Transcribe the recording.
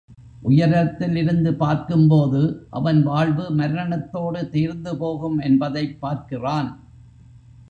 உயரத்திலிருந்து பார்க்கும்போது, அவன் வாழ்வு மரணத்தோடு தீர்ந்துபோகும் என்பதைப் பார்க்கிறான்.